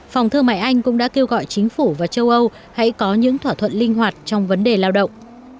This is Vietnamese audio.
phòng thương mại anh cũng đã kêu gọi chính phủ và châu âu hãy có những thỏa thuận linh hoạt trong vấn đề lao động